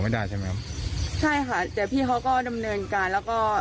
ได้ใช่ไหมครับใช่ค่ะแต่พี่เขาก็ดำเนินการแล้วก็